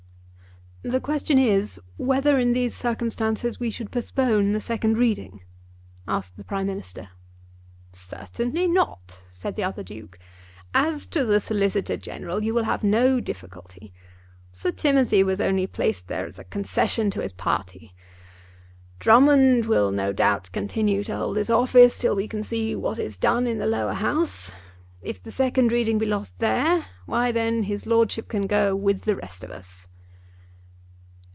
"The question is, whether in these circumstances we should postpone the second reading?" asked the Prime Minister. "Certainly not," said the other Duke. "As to the Solicitor General you will have no difficulty. Sir Timothy was only placed there as a concession to his party. Drummond will no doubt continue to hold his office till we see what is done in the Lower House. If the second reading be lost there, why then his lordship can go with the rest of us."